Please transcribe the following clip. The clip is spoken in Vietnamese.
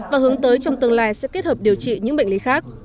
và hướng tới trong tương lai sẽ kết hợp điều trị những bệnh lý khác